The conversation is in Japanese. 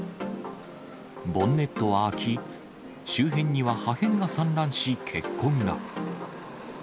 ボンネットは開き、周辺には破片が散乱し、血痕が。